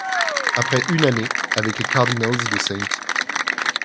Après une année avec les Cardinals de St.